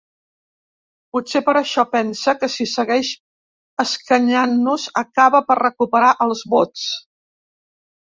Potser per això pensa que si segueix escanyant-nos acaba per recuperar els vots.